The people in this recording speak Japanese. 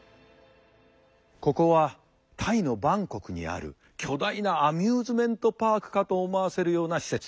ここはタイのバンコクにある巨大なアミューズメントパークかと思わせるような施設。